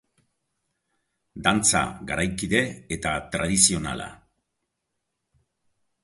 Dantza garaikide eta tradizionala.